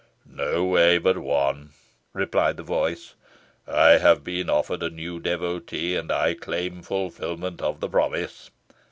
"No way but one," replied the voice. "I have been offered a new devotee, and I claim fulfilment of the promise.